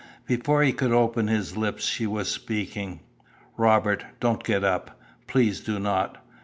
Before he could open his lips she was speaking. "Robert, don't get up. Please do not.